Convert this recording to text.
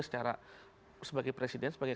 secara sebagai presiden sebagai